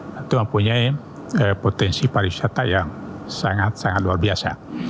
kita punya potensi para wisata yang sangat sangat luar biasa